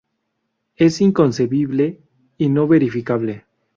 Es inconcebible y no verificable.